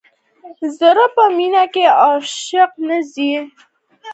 زړه په مینه کې عاشق نه ځي هر کله.